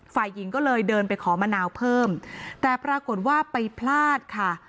ฝ่ายหญิงก็เลยเดินไปขอมะนาวเพิ่มแต่ปรากฏว่าไปพลาดค่ะ